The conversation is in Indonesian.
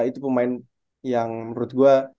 itu pemain yang menurut gue